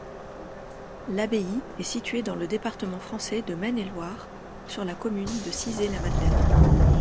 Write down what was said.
L'abbaye est située dans le département français de Maine-et-Loire, sur la commune de Cizay-la-Madeleine.